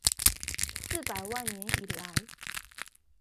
四百萬年以來